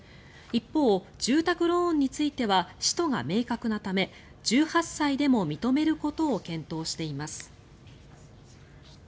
一方、住宅ローンについては使途が明確なため１８歳でも認めることを検討しています。